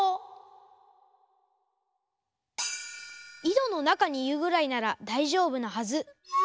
いどのなかにいうぐらいならだいじょうぶなはず。